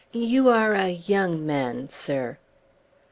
You are a young man, sir!"